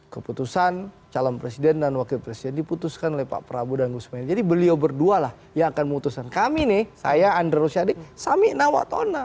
keputusan calon presiden dan wakil presiden diputuskan oleh pak prabowo dan gus mohamad jadi beliau berdua lah yang akan memutuskan kami nih saya andri rosyadek sami nawak tona